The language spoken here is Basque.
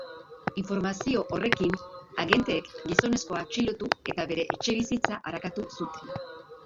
Informazio horrekin agenteek gizonezkoa atxilotu eta bere etxebizitza arakatu zuten.